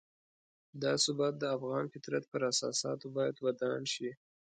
دا ثبات د افغان فطرت پر اساساتو باید ودان شي.